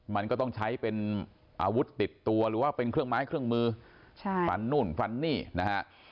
มันก็ต้องใช้เป็นอาวุธติดตัวหรือว่าเป็นเครื่องไม้เครื่องมือใช่ฟันนู่นฟันนี่นะฮะ